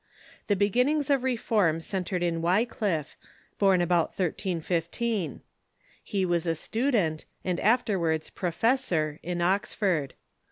The beginnings of re form centred in Wycliffe, born about 1315. He was a student, and afterwards professor, in Oxford.